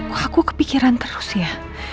kok aku kepikiran terus ya